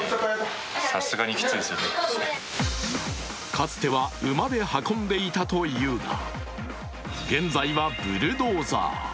かつては馬で運んでいたというが、現在は、ブルドーザー。